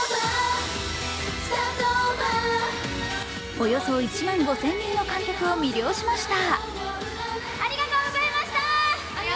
およそ１万５０００人の観客を魅了しました。